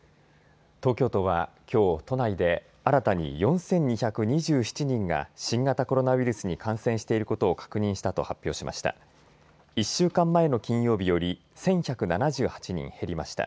東京都はきょう都内で新たに４２２７人が新型コロナウイルスに感染していることを確認したと発表しました。